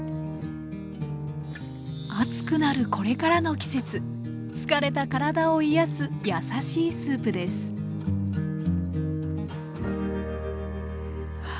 暑くなるこれからの季節疲れた体を癒やす優しいスープですわ